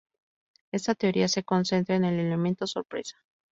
Esta teoría se concentra en el elemento sorpresa.